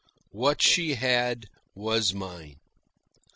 What she had was mine.